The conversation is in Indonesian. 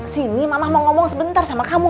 sini mama mau ngomong sebentar sama kamu